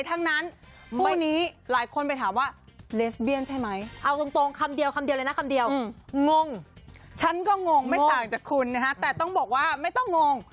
แต่ต้องบอกว่าไม่ต้องงง